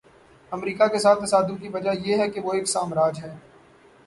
امریکہ کے ساتھ تصادم کی وجہ یہ ہے کہ وہ ایک سامراج ہے۔